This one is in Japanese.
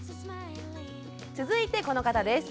続いてこの方です。